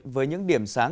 với những điểm sáng